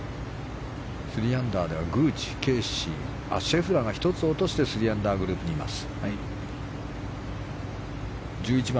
３アンダーではグーチ、ケーシー、そしてシェフラーが１つ落として３アンダーグループにいます。